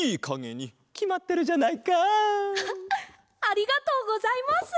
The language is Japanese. ありがとうございます！